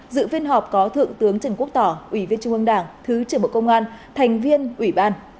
dự phiên họp có thượng tướng trần quốc tỏ ủy viên trung ương đảng thứ trưởng bộ công an thành viên ủy ban